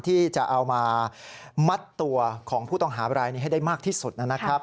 ที่จะเอามามัดตัวของผู้ต้องหาบรายนี้ให้ได้มากที่สุดนะครับ